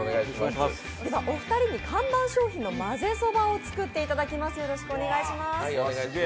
お二人に看板商品のまぜそばを作っていただきます。